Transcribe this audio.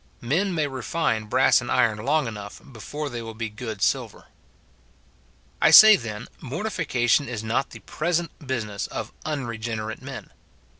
Men may refine brass and iron long enough before they will be good silver. I say, then, mortification is not the present business of unregenerate men.